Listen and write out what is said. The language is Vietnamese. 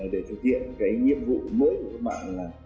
để thực hiện cái nhiệm vụ mới của các bạn là